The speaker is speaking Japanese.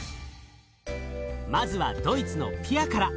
まずはドイツのピアから。